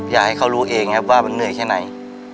อยากให้เขารู้เองครับว่ามันเหนื่อยแค่ไหน